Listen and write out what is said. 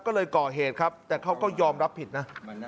ก็เลยก่อเหตุครับแต่เขาก็ยอมรับผิดนะ